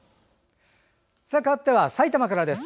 かわっては埼玉からです。